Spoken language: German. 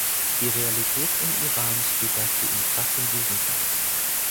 Die Realität im Iran steht dazu in krassem Gegensatz.